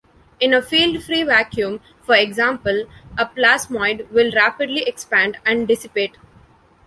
In a field-free vacuum, for example, a plasmoid will rapidly expand and dissipate.